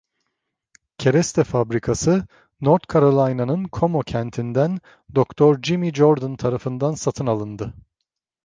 Kereste fabrikası North Carolina’nın Como kentinden Doktor Jimmy Jordan tarafından satın alındı.